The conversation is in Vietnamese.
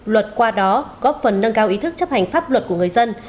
luật qua đó góp phần nâng cao ý thức chấp hành pháp luật của người dân